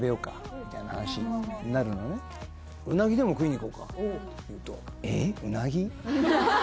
「うなぎでも食いに行こうか」って言うと「えっうなぎ？」